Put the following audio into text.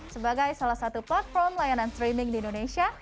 sebagai salah satu platform layanan streaming di indonesia